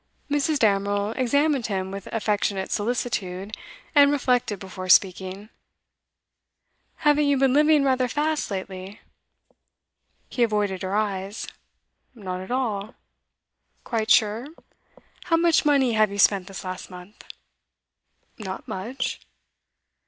Mrs. Damerel examined him with affectionate solicitude, and reflected before speaking. 'Haven't you been living rather fast lately?' He avoided her eyes. 'Not at all.' 'Quite sure? How much money have you spent this last month?' 'Not much.